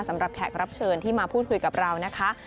แขกรับเชิญที่มาพูดคุยกับเรานะคะ